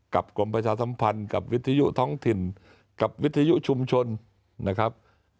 กรมประชาสัมพันธ์กับวิทยุท้องถิ่นกับวิทยุชุมชนนะครับ